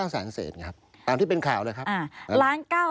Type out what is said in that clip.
๑๙๐๐๐๐๐เสทนะครับตามที่เป็นข่าวเลยครับ